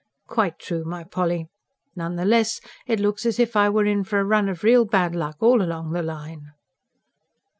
"Quite true, my Polly. None the less, it looks as if I were in for a run of real bad luck, all along the line."